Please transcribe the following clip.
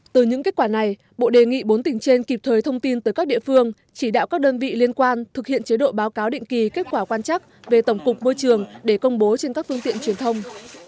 từ những kết quả này bộ đề nghị bốn tỉnh trên kịp thời thông tin tới các địa phương chỉ đạo các đơn vị liên quan thực hiện chế độ báo cáo định kỳ kết quả quan chắc về tổng cục môi trường để công bố trên các phương tiện truyền thông